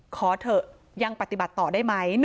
ขอเถอะยังปฏิบัติต่อได้ไหม